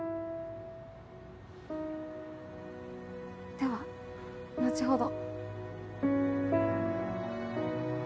では後ほど。